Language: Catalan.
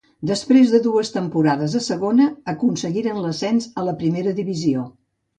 Després de dues temporades a segona, aconseguiren l'ascens a la Primera divisió.